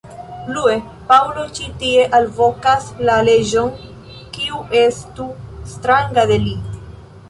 Plue, Paŭlo ĉi tie alvokas la leĝon, kiu estu stranga de li.